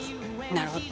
なるほど。